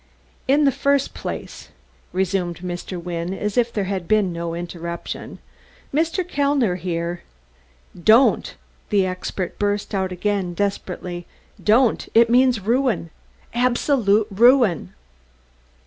"In the first place," resumed Mr. Wynne, as if there had been no interruption, "Mr. Kellner here " "Don't!" the expert burst out again desperately. "Don't! It means ruin absolute ruin!"